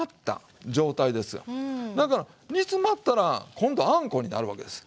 だから煮詰まったら今度あんこになるわけです。